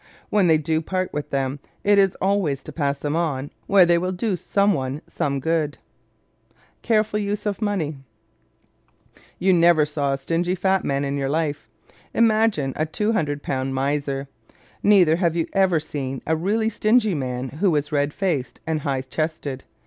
When they do part with them it is always to pass them on "where they will do some one some good." Careful of Money ¶ You never saw a stingy fat man in your life. Imagine a two hundred pound miser! Neither have you ever seen a really stingy man who was red faced and high chested.